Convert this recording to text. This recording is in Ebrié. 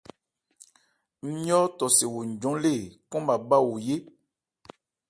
Ńmjɔ́ tɔ se wo njɔn lê nkɔn bhâ bhá wo yé.